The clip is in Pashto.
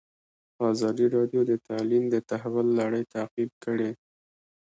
ازادي راډیو د تعلیم د تحول لړۍ تعقیب کړې.